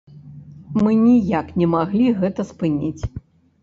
Мы ніяк не маглі гэта спыніць.